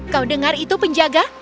kau dengar itu penjaga